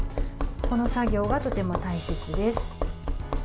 この作業がとても大切です。